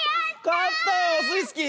かったよオスイスキー！